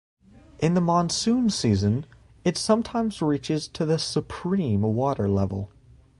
In the monsoon season, it sometimes reaches to the supreme water level.